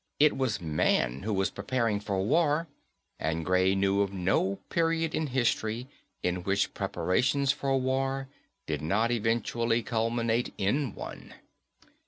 It was man who was preparing for war and Gray knew of no period in history in which preparations for war did not eventually culminate in one.